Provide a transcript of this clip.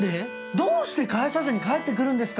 どうして返さずに帰ってくるんですか？